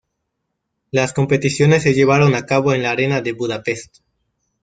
Las competiciones se llevaron a cabo en la Arena de Budapest.